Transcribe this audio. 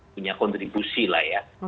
punya kontribusi lah ya